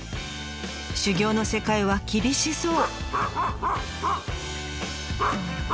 修業の世界は厳しそう。